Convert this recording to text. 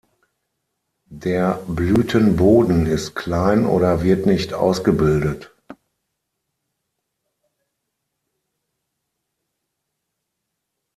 Der Blütenboden ist klein oder wird nicht ausgebildet.